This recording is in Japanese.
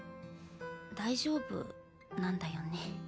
大丈夫なんだよね？